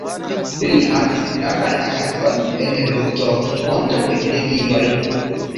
Li havis gravan agadon en lukto kontraŭ epidemioj.